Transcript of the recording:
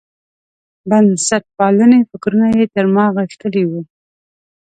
بنسټپالنې فکرونه یې تر ما غښتلي وو.